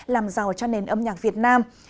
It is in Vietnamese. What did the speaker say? làm giàu cho nền âm nhạc việt nam